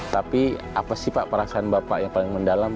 tapi apa sih pak perasaan bapak yang paling mendalam